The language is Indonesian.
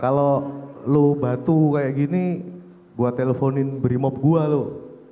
kalau lo batu kayak gini gue teleponin brimob gue loh